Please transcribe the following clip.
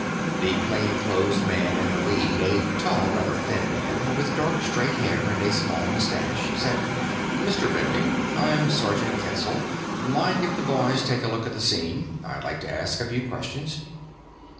The plainclothesman in the lead, a tall, rather thin man, with dark straight hair and a small mustache, said: "Mr. Bending? I'm Sergeant Ketzel. Mind if the boys take a look at the scene? And I'd like to ask a few questions?"